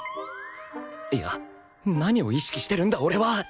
いや何を意識してるんだ俺は！